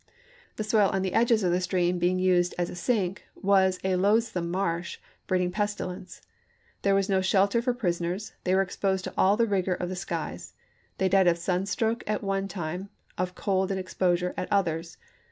The soil on the edges of the stream being used as a sink was a loathsome marsh, breeding pestilence. There was no shelter for prisoners ; they were exposed to all the rigor of the skies ; they died of sunstroke at one time, of cold and exposure at others.